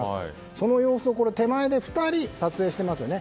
その様子を手前で２人が撮影していますよね。